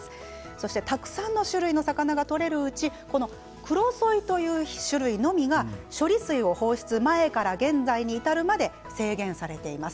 そして、たくさんの種類の魚が取れるうちクロソイという種類のみが処理水の放出前から現在に至るまで制限されています。